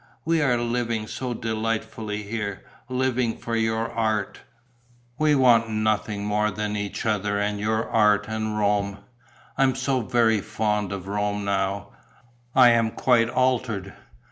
We are living so delightfully here, living for your art. We want nothing more than each other and your art and Rome. I am so very fond of Rome now; I am quite altered.